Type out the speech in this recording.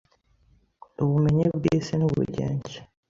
ubumenyi bw’isi n’ubugenge